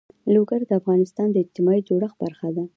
لوگر د افغانستان د اجتماعي جوړښت برخه ده.